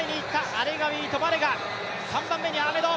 アレガウィとバレガ、３番目にアーメド。